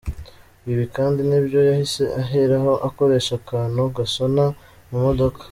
Ibi kandi ni nabyo yahise aheraho akoresha akantu gasona mu modoka.